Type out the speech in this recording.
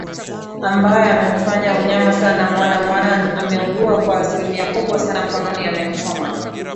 ambae amemfanyia unyama sana mwana mwana ameuguwa kwa asilimia kubwa sana mkononi amemchoma